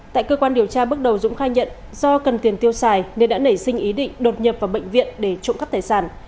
tại cơ quan điều tra bước đầu dũng khai nhận do cần tiền tiêu xài nên đã nảy sinh ý định đột nhập vào bệnh viện để trộm cắp tài sản